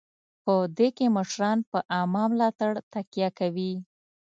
په دې کې مشران پر عامه ملاتړ تکیه کوي.